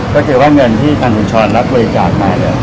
ก็คือว่าเงินที่คุณชรรภ์รับบริจารณ์มาเนี่ย